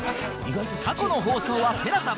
過去の放送は ＴＥＬＡＳＡ